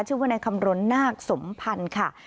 ชื่อว่านายคำรณนาคสมพันธ์ค่ะ